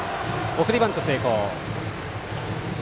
送りバント成功。